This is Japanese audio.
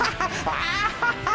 ハハハハ！